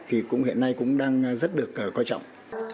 thì hiện nay cũng đang rất được quan trọng